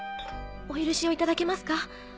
お許しをいただけますか？